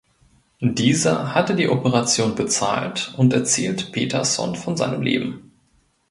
Dieser hatte die Operation bezahlt und erzählt Peterson von seinem Leben.